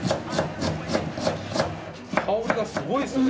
香りがすごいですね。